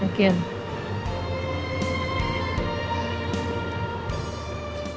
terima kasih elvisa